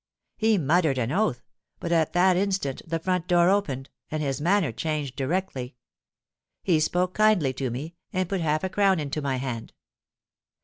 He muttered an oath; but at that instant the front door opened, and his manner changed directly. He spoke kindly to me, and put half a crown into my hand.